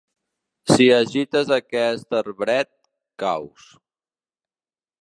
Si agites aquest arbret, caus.